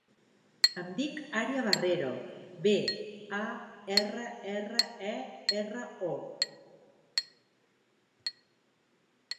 Em dic Arya Barrero: be, a, erra, erra, e, erra, o.